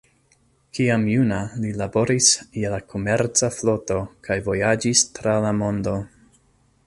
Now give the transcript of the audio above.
Kiam juna, li laboris je la komerca floto kaj vojaĝis tra la mondo.